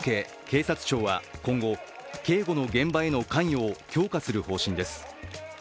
警察庁は今後、警護の現場への関与を強化する方針です。